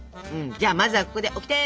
じゃあまずはここでオキテ！